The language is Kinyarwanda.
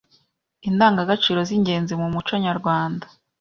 Indangagaciro z’ingenzi mu muco Nyarwanda”